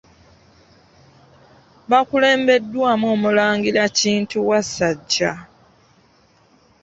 Bakulembeddwamu Omulangira Kintu Wasajja.